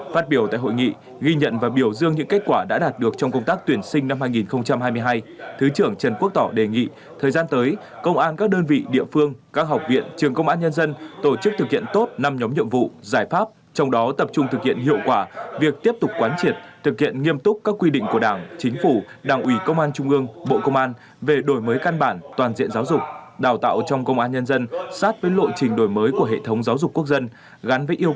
phát biểu tại hội nghị ghi nhận và biểu dương những kết quả đã đạt được trong công tác tuyển sinh năm hai nghìn hai mươi hai thứ trưởng trần quốc tỏ đề nghị thời gian tới công an các đơn vị địa phương các học viện trường công an nhân dân tổ chức thực hiện tốt năm nhóm nhiệm vụ giải pháp trong đó tập trung thực hiện hiệu quả việc tiếp tục quán triệt thực hiện nghiêm túc các quy định của đảng chính phủ đảng ủy công an trung ương bộ công an về đổi mới căn bản toàn diện giáo dục đào tạo trong công an nhân dân sát với lộ trình đổi mới của hệ thống giáo dục quốc dân g